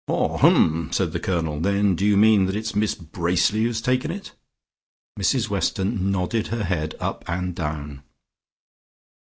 "Haw, hum," said the Colonel, "then do you mean that it's Miss Bracely who has taken it?" Mrs Weston nodded her head up and down.